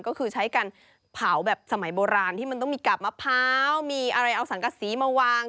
ก็คือใช้การเผาแบบสมัยโบราณที่มันต้องมีกาบมะพร้าวมีอะไรเอาสังกษีมาวาง